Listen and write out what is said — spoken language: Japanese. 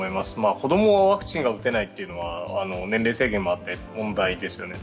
子供がワクチンを打てないというのは年齢制限もあって問題ですよね。